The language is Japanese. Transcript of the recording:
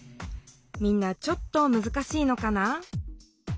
みんなちょっとむずかしいのかな？